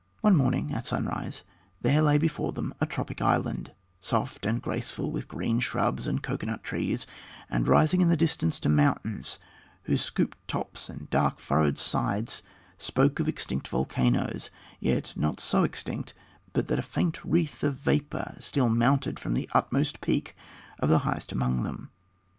One morning, at sunrise, there lay before them a tropic island, soft and graceful, with green shrubs and cocoanut trees, and rising in the distance to mountains whose scooped tops and dark, furrowed sides spoke of extinct volcanoes yet not so extinct but that a faint wreath of vapor still mounted from the utmost peak of the highest among them.